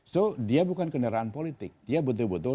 jadi dia bukan kendaraan politik dia betul betul